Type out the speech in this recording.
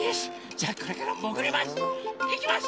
じゃこれからもぐります。